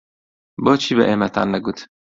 بۆچی بە ئێمەتان نەگوت؟